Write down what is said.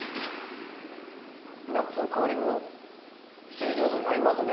ナッツの香りも水ギョーザに合いますね！